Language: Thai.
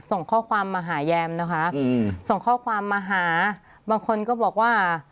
ส่งข้อความมาหาแยมนะคะอืมส่งข้อความมาหาบางคนก็บอกว่า